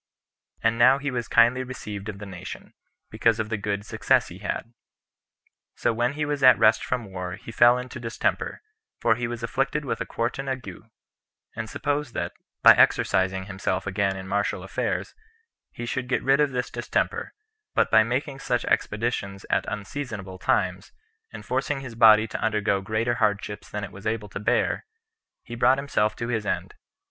And now he was kindly received of the nation, because of the good success he had. So when he was at rest from war, he fell into a distemper; for he was afflicted with a quartan ague, and supposed that, by exercising himself again in martial affairs, he should get rid of this distemper; but by making such expeditions at unseasonable times, and forcing his body to undergo greater hardships than it was able to bear, he brought himself to his end.